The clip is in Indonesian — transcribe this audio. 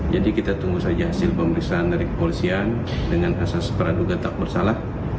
jadi kita tunggu saja hasil pemeriksaan dari kepolisian dengan asas peraduga tak bersalah